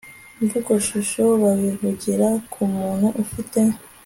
mvugoshusho babivugira ku muntu ufite